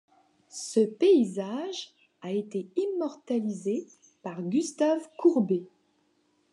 Ce paysage a été immortalisé par Gustave Courbet.